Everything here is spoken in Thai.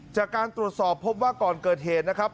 จากการตรวจสอบพบว่าก่อนเกิดเหตุนะครับ